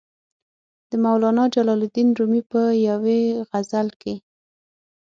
د مولانا جلال الدین رومي په یوې غزل کې.